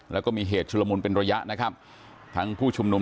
แล้วก็มีเหตุชุลมุนเป็นระยะนะครับทั้งผู้ชุมนุม